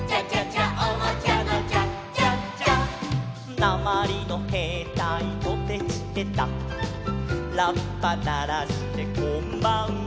「なまりのへいたいトテチテタ」「ラッパならしてこんばんは」